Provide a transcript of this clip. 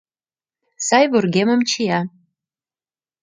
Сай вургемым чия.